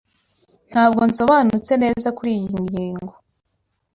Ntabwo nsobanutse neza kuriyi ngingo.